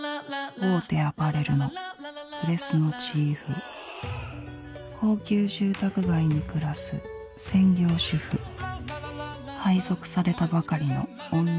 大手アパレルのプレスのチーフ高級住宅街に暮らす専業主婦配属されたばかりの女